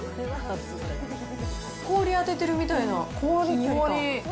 氷当ててるみたいな。